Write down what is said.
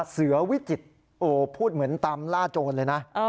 เสือวิจิตพูดเหมือนตามล่าโจรเลยนะ